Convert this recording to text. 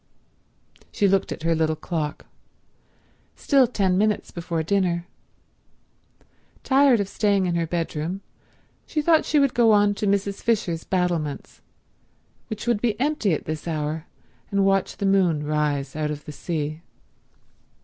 She looked at her little clock. Still ten minutes before dinner. Tired of staying in her bedroom she thought she would go on to Mrs. Fisher's battlements, which would be empty at this hour, and watch the moon rise out of the sea.